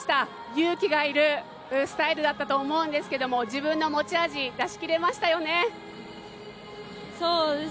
勇気がいるスタイルだったと思うんですけども自分の持ち味出し切れましたよね。